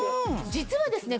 実はですね